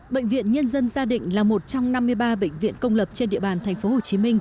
bệnh viện nhân dân gia định là một trong năm mươi ba bệnh viện công lập trên địa bàn tp hcm